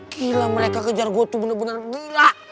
gila mereka kejar gue tuh bener bener gila